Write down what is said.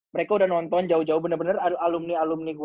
mereka udah nonton jauh jauh bener bener aduh alumni alumni gue